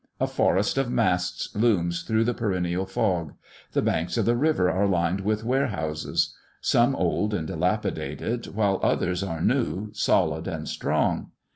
A forest of masts looms through the perennial fog; the banks of the river are lined with warehouses; some old and dilapidated, while others are new, solid, and strong.